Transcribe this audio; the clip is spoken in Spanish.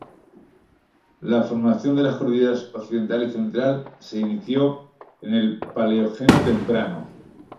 La formación de las cordilleras Occidental y Central se inició en el Paleógeno Temprano.